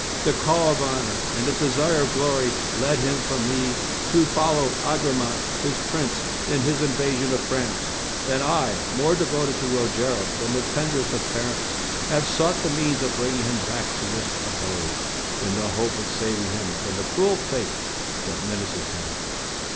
The call of honor and the desire of glory led him from me to follow Agramant, his prince, in his invasion of France, and I, more devoted to Rogero than the tenderest of parents, have sought the means of bringing him back to this abode, in the hope of saving him from the cruel fate that menaces him.